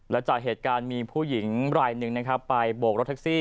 และจากเหตุการณ์มีผู้หญิงรายหนึ่งนะครับไปโบกรถแท็กซี่